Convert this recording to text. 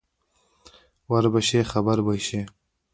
ور به شې خبر به شې.